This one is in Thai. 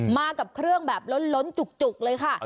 มากับเครื่องแบบล้นจุกเลยค่ะ